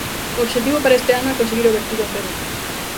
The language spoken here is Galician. O obxectivo para este ano é conseguir o vertido cero.